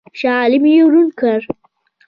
شاه عالم یې ړوند کړ.